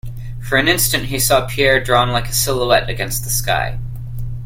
For an instant he saw Pierre drawn like a silhouette against the sky.